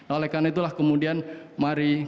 oleh karena itulah kemudian mari kita berkata